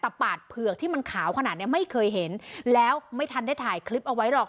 แต่ปาดเผือกที่มันขาวขนาดเนี้ยไม่เคยเห็นแล้วไม่ทันได้ถ่ายคลิปเอาไว้หรอก